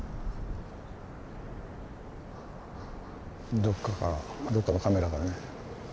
どっかからどっかのカメラからね